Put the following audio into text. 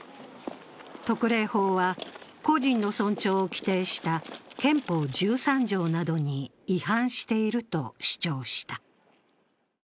特例法は個人の尊重を規定した憲法１３条などに違反していると主張した。